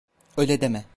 Öyle deme.